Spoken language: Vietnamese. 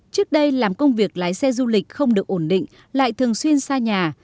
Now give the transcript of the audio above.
trước đây làm công việc lái xe du lịch không được ổn định lại thường xuyên xa nhà